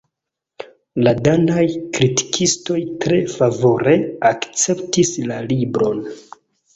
La danaj kritikistoj tre favore akceptis la libron.